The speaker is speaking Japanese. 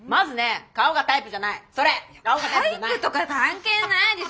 タイプとか関係ないでしょ